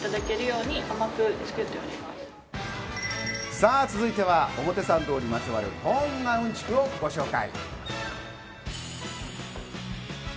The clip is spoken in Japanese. さぁ、続いては表参道にまつわるこんなうんちくをご紹介。